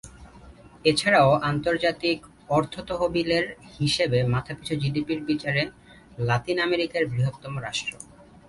এছাড়াও আন্তর্জাতিক অর্থ তহবিলের হিসেবে মাথাপিছু জিডিপির বিচারে লাতিন আমেরিকার বৃহত্তম রাষ্ট্র।